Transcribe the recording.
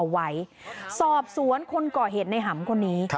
ไว้สอบสวนคนก่อเหตุในหำคนนี้